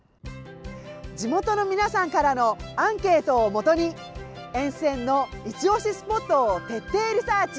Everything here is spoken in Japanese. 地元の皆さんからのアンケートをもとに沿線のいちオシスポットを徹底リサーチ。